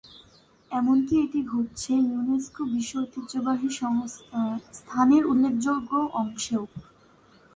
এমনকি এটি ঘটছে ইউনেস্কো বিশ্ব ঐতিহ্যবাহী স্থানের উল্লেখযোগ্য অংশেও।